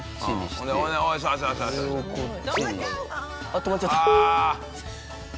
あっ止まっちゃった。